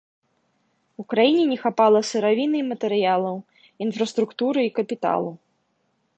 У краіне не хапала сыравіны і матэрыялаў, інфраструктуры і капіталу.